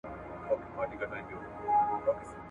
د ډیپلوماسۍ له لاري د وګړو د حقونو څارنه نه کیږي.